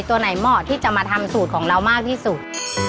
ตัวไหนเหมาะที่จะมาทำสูตรของเรามากที่สุด